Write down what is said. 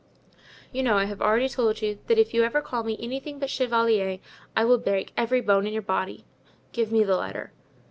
"You know I have already told you that if you ever call me anything but chevalier I will break every bone in your body. Give me the letter."